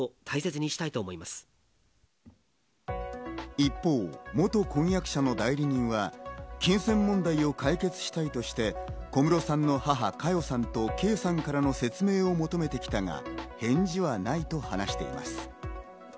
一方、元婚約者の代理人は金銭問題を解決したいとして小室さんの母・佳代さんと、圭さんからの説明を求めてきたが、返事はないと話しています。